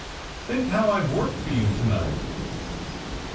^* Think how I've worked for you to night.